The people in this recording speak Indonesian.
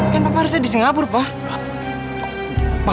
kan papa harusnya di singapura pa